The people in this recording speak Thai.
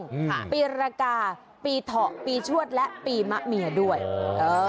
อืมค่ะปีรกาปีเถาะปีชวดและปีมะเมียด้วยเออ